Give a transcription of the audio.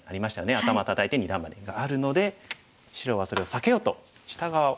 「アタマたたいて二段バネ」があるので白はそれを避けようと下側を補強しました。